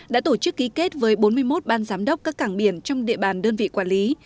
đã tổ chức ký kết với bốn mươi một ban giám đốc các cảng biển trong địa bàn đơn vị quản lý